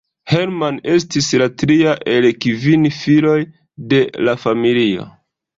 Hermann estis la tria el kvin filoj de la familio.